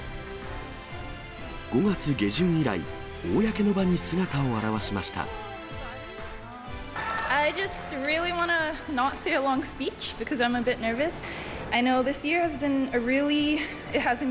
５月下旬以来、公の場に姿を現しました。